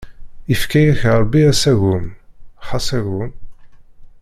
Ifka-yak Ṛebbi asagem, xas agem!